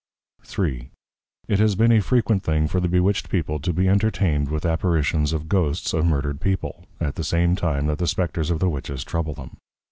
III. It has been a frequent thing for the Bewitched People to be entertained with Apparitions of Ghosts of Murdered People, at the same time that the Spectres of the Witches trouble them.